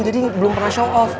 belum pernah show off